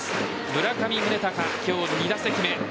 村上宗隆、今日２打席目。